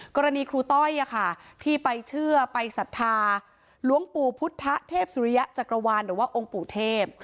ครูต้อยที่ไปเชื่อไปศรัทธาหลวงปู่พุทธเทพสุริยะจักรวาลหรือว่าองค์ปู่เทพ